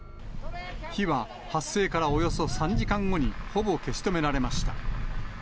火は発生からおよそ３時間後にほぼ消し止められました。